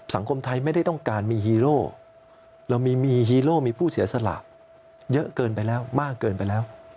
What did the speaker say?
สังคมไทยไม่ได้ต้องการมีฮีโร่เรามีฮีโร่มีผู้เสียสละเยอะเกินไปแล้วมากเกินไปแล้ว